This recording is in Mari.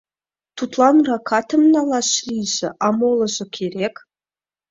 Тудлан ракатым налаш лийже, а молыжо — керек.